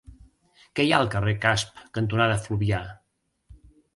Què hi ha al carrer Casp cantonada Fluvià?